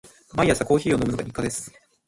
毎朝コーヒーを飲むのが日課です。